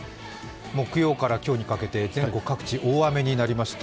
木曜から今日にかけて全国各地、大雨になりました。